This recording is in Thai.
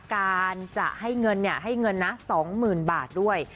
การจะให้เงินให้เงินนะ๒๐๐๐บาทด้วย